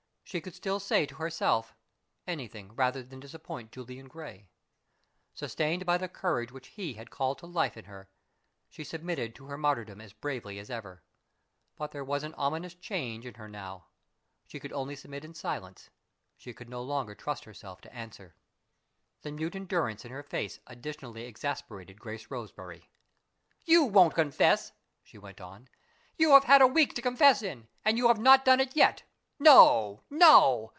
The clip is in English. She could still say to herself, "Anything rather than disappoint Julian Gray." Sustained by the courage which he had called to life in her, she submitted to her martyrdom as bravely as ever. But there was an ominous change in her now: she could only submit in silence; she could no longer trust herself to answer. The mute endurance in her face additionally exasperated Grace Roseberry. "You won't confess," she went on. "You have had a week to confess in, and you have not done it yet. No, no!